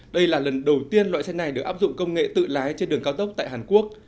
đây là lần đầu tiên loại xe này được áp dụng công nghệ tự lái trên đường cao tốc tại hàn quốc